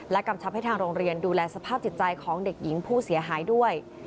กำชับให้ทางโรงเรียนดูแลสภาพจิตใจของเด็กหญิงผู้เสียหายด้วย